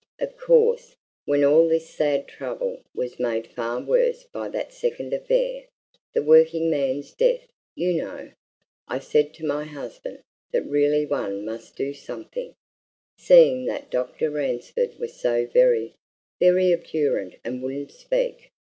Of course, when all this sad trouble was made far worse by that second affair the working man's death, you know, I said to my husband that really one must do something, seeing that Dr. Ransford was so very, very obdurate and wouldn't speak.